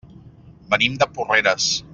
Venim de Porreres.